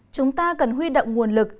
chúng ta cần huy động nguồn lực